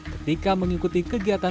ketika mengikuti kegiatan